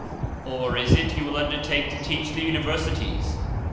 or is it you will undertake to teach the Universities?